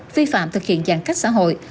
vi phạm thực hiện giàn cách xã hội